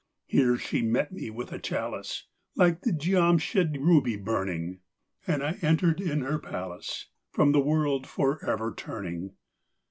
Here she met me with a chalice, Like the Giamschid ruby burning; And I entered in her palace, From the world forever turning.